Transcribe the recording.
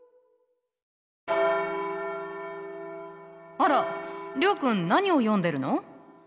あら諒君何を読んでるの？